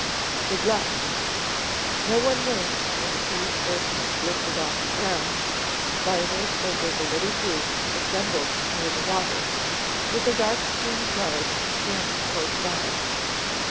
"Good luck." No one waved when the huge airplane lifted off the ground, spiraled over the little group assembled near the water, with their dark skinned guards standing close by.